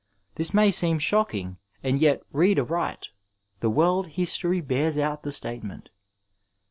This may seem shocking, and yet read aright the world history bears out the statement.